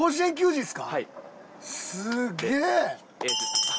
すげえ！